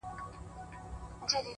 • زړه وه زړه ته لاره لري؛